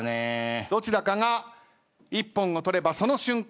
どちらかが一本を取ればその瞬間